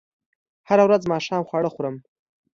هره ورځ ماښام خواړه خورم